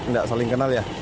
enggak saling kenal ya